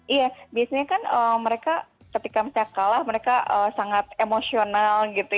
iya biasanya kan mereka ketika misalnya kalah mereka sangat emosional gitu